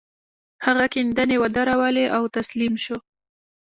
هغه کيندنې ودرولې او تسليم شو.